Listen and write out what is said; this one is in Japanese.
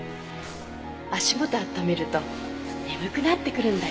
足元を温めると眠くなってくるんだよ。